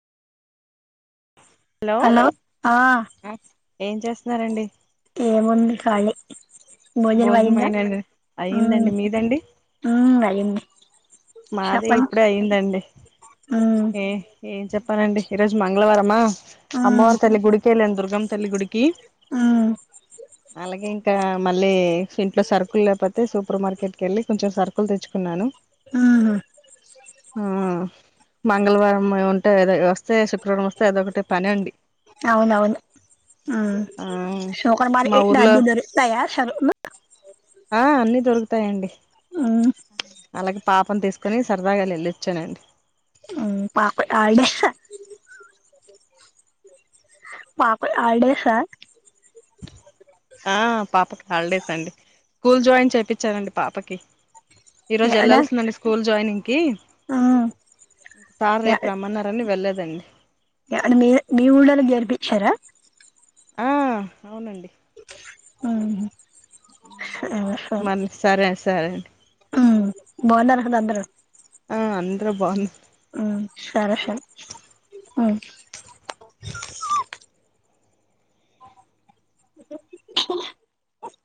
hello ಹಾ ಎಂ ಚೆಸ್ತಾವ್ರಂಡಿ ಏ ಮುಂದ ಕಾಳಿ ಭೋಜನಂ ಆಗಿಂಡ್ಯಾಹ್ಮ್ ಹ್ಮ್ ಆಯಿಂದಿ ಮಾದ ಇಪಡೇ ಅಯದಿ ಏ ಏನ್ಪ್ಪ ತಪ್ಪನೀ ಈ ರೋಜು ಮಂಗಳವಾರಾ ಅಮ್ಮವಾರ್ ತಳ್ಳ ಗಡಿಕಲ್ಲನು ದುರ್ಗಮ ತಲ್ಲಿ ಗುಡಿಕಿ ಅ ಇ ಮಿ ಇಂಟ್ಲ ಸರ್ಕಲ್ ಲಪತ್ತ ಸೂಪರ್ ಮಾರ್ಕೆಟ್ಗೆೆಳ್ಳಿ ಕೊಂಂದು ಸರ್ಕಲ್ ತಚ್ಚುಕೊಂಡು ಹ್ಮ ಹ ಮಂಗಳವಾರ ಉಂ ಶುಕ್ರವಾರ ವಸ ಅದೋಕಟ ಪನ ಅಡಿ ಹೌನೌನ್ ಹ್ಮ್ ಶುಕ್ರಮಾರ ದರತಾ ಸ್ ಹಾ ಅ ತ ಅಲ್ಲ ಪಾಪನ ತಸ್ಕನ ಸರದಾ ಗಲಿಚ್ಚನಿ ಹ್ಮ ಪಾ ಆ ಆಡೇ ಸರ್ ಹಾ ಹ ಪಪಕ ಹಾಲಿಡೇಸ್ ಅಿ ಸ್ಕೂಲ್ ಜಾಿನ್ ಚಪಚಾರಿ ಪಪಕ ಈ ರೋಜ್ ಎಲ್ಲಾಲ್ಸಂದಿ ಸ್ಕೂಲ್ ಜಾಿನಂಗ್ ಕ ಇ ಸಾರ ರೇಪ ರಮನಾರನ್ನ ವಳ್ಳದಿ ನೀ ಊಳ್ಳಲ್ಲಿ ಗೆರ್ಬಿಕ್ಷಾರ ಹ ಅೌನಡಿ ಹ್ಮ ಮನ್ನ ಸರಿ ಸರಿ ಡಿ ಹ್ಮ್ ಬಾಂದಾರದಾದರು ಹ ಅಂದ್ರೆ ಬಾನ್ ಹ್ಮ್ ಸರಿ ಸರಿ ಹ್ಮ್ ಉ